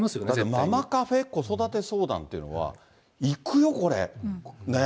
ママカフェ、子育て相談というのは、行くよ、これ。